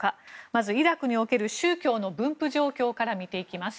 まずイラクにおける宗教の分布状況から見ていきます。